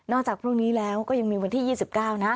จากพรุ่งนี้แล้วก็ยังมีวันที่๒๙นะ